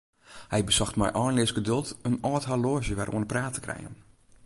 Hy besocht mei einleas geduld in âld horloazje wer oan 'e praat te krijen.